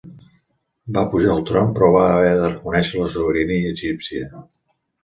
Va pujar al tron però va haver de reconèixer la sobirania egípcia.